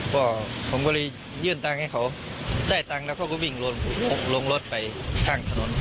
ก็ผมก็เลยยื่นตังค์ให้เขาได้ตังค์แล้วเขาก็วิ่งลงรถไปข้างถนน